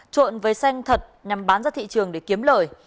trộn với xanh thật nhằm bán ra thị trường để kiếm lời